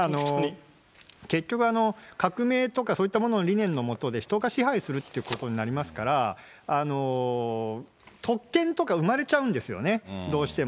結局、革命とか、そういったものの理念の下で、人が支配するということになりますから、特権とか、生まれちゃうんですよね、どうしても。